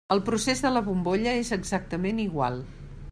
El procés de la bombolla és exactament igual.